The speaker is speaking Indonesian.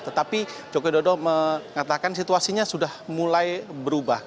tetapi jokowi dodong mengatakan situasinya sudah mulai berubah